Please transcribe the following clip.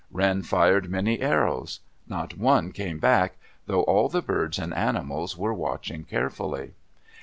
Wren fired many arrows. Not one came back, though all the birds and animals were watching carefully.